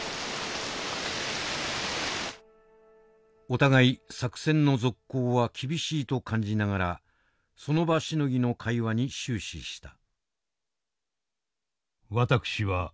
お互い作戦の続行は厳しいと感じながらその場しのぎの会話に終始した。